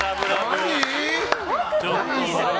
何？